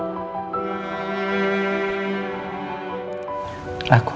aku seseorang put teng karin itu tidak ada set pewnak